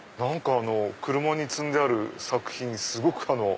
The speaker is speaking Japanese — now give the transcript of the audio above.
車に積んである作品にすごく。